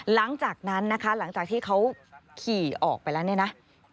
หลังจากนั้นนะคะหลังจากที่เขาขี่ออกไปแล้วเนี่ยนะ